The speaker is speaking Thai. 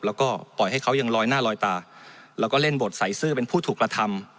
แล้วก็ปล่อยให้เขายังลอยหน้าลอยตาแล้วก็เล่นบทใส่เสื้อเป็นผู้ถูกกระทำ